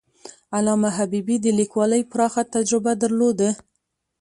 علامه حبيبي د لیکوالۍ پراخه تجربه درلوده.